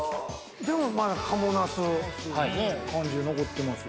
でもまだ賀茂なす感じ残ってます。